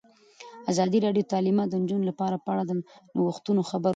ازادي راډیو د تعلیمات د نجونو لپاره په اړه د نوښتونو خبر ورکړی.